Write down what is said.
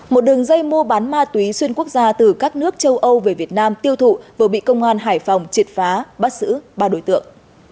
một đường dây mua bán ma túy xuyên quốc gia từ các nước châu âu về việt nam tiêu thụ vừa bị công an hải phòng triệt phá bắt xử ba đối tượng